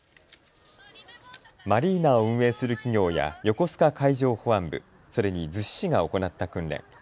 マリーナを運営する企業や横須賀海上保安部、それに逗子市が行った訓練。